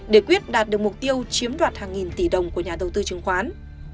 để quyết đạt được mục tiêu chiếm đoạt hàng nghìn tỷ đồng của nhà đầu tư chứng khoán